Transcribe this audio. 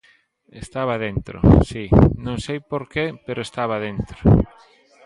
Estaba dentro, si, non sei porqué pero estaba dentro.